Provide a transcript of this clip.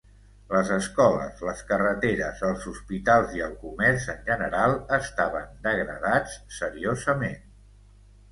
Les escoles, les carreteres, els hospitals i el comerç en general estaven degradats seriosament.